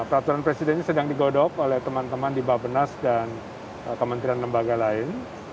dan peraturan presidennya sedang digodok oleh teman teman di bapenas dan kementerian lembaga lain